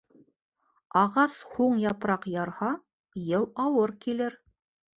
Ағас һуң япраҡ ярһа, йыл ауыр килер.